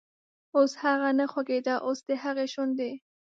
اوس هغه نه خوږیده، اوس دهغې شونډې،